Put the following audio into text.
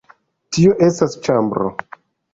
Tio estas ĉambro.